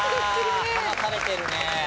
いや離されてるね。